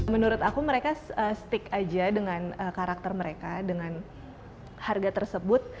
menurut aku mereka stick aja dengan karakter mereka dengan harga tersebut